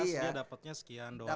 dia dapatnya sekian doang gitu ya